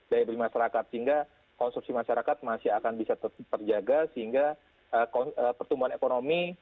daya beli masyarakat sehingga konsumsi masyarakat masih akan bisa tetap terjaga sehingga pertumbuhan ekonomi